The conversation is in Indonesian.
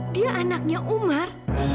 dia anaknya umar